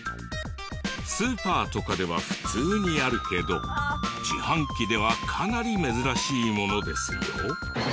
スーパーとかでは普通にあるけど自販機ではかなり珍しいものですよ。